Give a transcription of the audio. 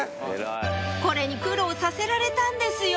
これに苦労させられたんですよ